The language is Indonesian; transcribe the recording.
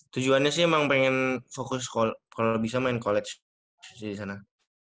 tujuannya sih emang pengen fokus kalau bisa main college di sana